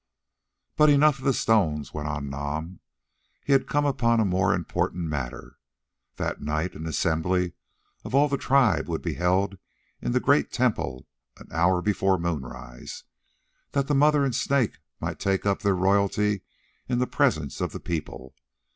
But enough of the stones, went on Nam; he had come upon a more important matter. That night an assembly of all the tribe would be held in the great temple an hour before moonrise, that the Mother and the Snake might take up their royalty in the presence of the people.